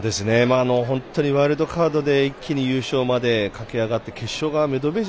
本当にワイルドカードで一気に優勝まで駆け上がって、決勝がメドべー